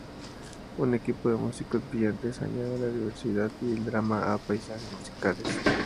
Un equipo de músicos brillantes añade la diversidad y el drama a paisajes musicales.